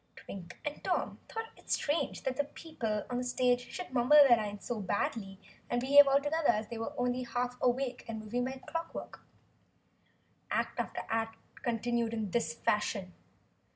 Twink and Tom thought it strange that the people on the stage should mumble their lines so badly and behave altogether as though they were only half awake and were moving by clockwork. Act after act continued in this fashion.